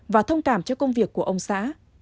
và thông cảm cho công việc của ông xã